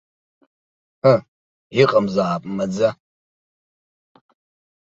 Ҳы, иҟамзаап маӡа!